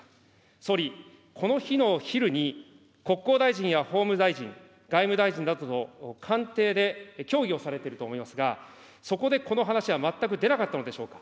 総理、この日の昼に、国交大臣や法務大臣、外務大臣などを官邸で協議をされていると思いますが、そこでこの話は全く出なかったのでしょうか。